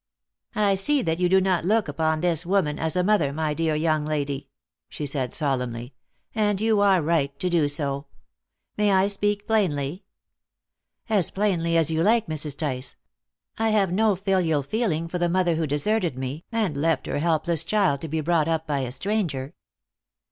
"I see that you do not look upon this woman as a mother, my dear young lady," she said solemnly, "and you are right to do so. May I speak plainly?" "As plainly as you like, Mrs. Tice. I have no filial feeling for the mother who deserted me, and left her helpless child to be brought up by a stranger."